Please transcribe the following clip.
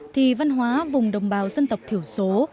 thì văn hóa vùng đồng bào dân tộc thiểu số